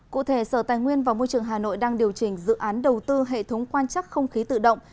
cụ thể sở tài nguyên và môi trường hà nội đang điều chỉnh dự án đầu tư hệ thống quan chắc không khí tự động